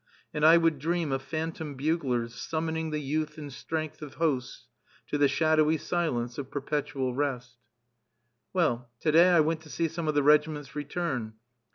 And I would dream of phantom buglers, summoning the youth and strength of hosts to the shadowy silence of perpetual rest. Well, to day I went to see some of the regiments return.